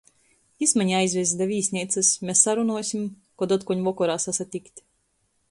Jis mani aizvess da vīsneicys, mes sarunuosim, kod otkon vokorā sasatikt.